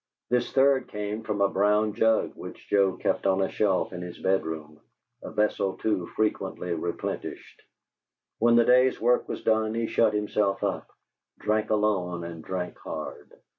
This third came from a brown jug which Joe kept on a shelf in his bedroom, a vessel too frequently replenished. When the day's work was done he shut himself up, drank alone and drank hard.